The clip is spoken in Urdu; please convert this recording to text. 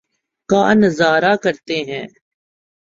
کا نظارہ کرتے ہیں